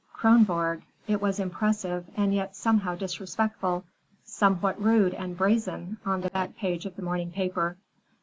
"Kronborg": it was impressive and yet, somehow, disrespectful; somewhat rude and brazen, on the back page of the morning paper.